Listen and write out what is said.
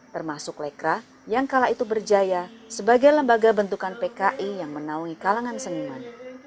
termasuk lekra yang kala itu berjaya sebagai lembaga bentukan pki yang menaungi kalangan seniman